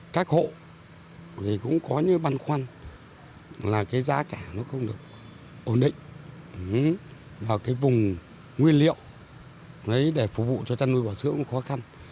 các hộ cũng có những băn khoăn là giá cả không được ổn định vào vùng nguyên liệu để phục vụ cho chăn nuôi bò sữa cũng khó khăn